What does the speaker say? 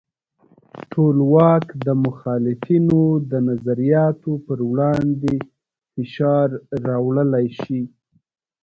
ټولواک د مخالفینو د نظریاتو پر وړاندې فشار راوړلی شي.